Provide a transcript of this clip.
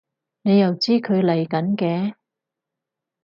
你又知佢嚟緊嘅？